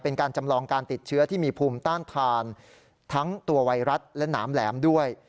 จำลองการติดเชื้อที่มีภูมิต้านทานทั้งตัวไวรัสและหนามแหลมด้วย